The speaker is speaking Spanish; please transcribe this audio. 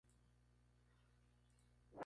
La música country para los blancos.